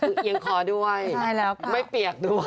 คือเอียงคอด้วยไม่เปียกด้วย